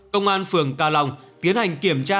công an phường cà long tiến hành kiểm tra